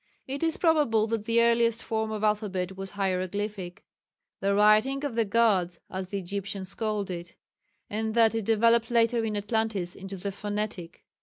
It is probable that the earliest form of alphabet was hieroglyphic, "the writing of the Gods," as the Egyptians called it, and that it developed later in Atlantis into the phonetic.